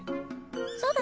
そうだ！